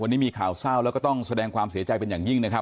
วันนี้มีข่าวเศร้าแล้วก็ต้องแสดงความเสียใจเป็นอย่างยิ่งนะครับ